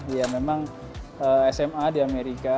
ya memang sma di amerika